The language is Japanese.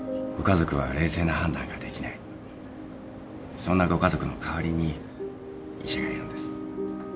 そんなご家族の代わりに医者がいるんです。